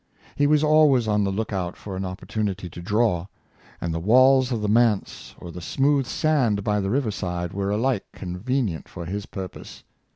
He was always on the lookout for an opportunity to draw — and the walls of the manse, or the smooth sand by the river side, were alike conven ient for his purpose.